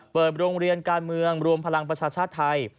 เปิดโรงเรียนการเมืองรวมพลังประชาชาติไทย